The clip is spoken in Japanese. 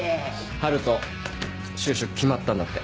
春斗就職決まったんだって。